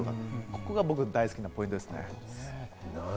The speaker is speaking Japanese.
それが僕の大好きな推しポイントですね。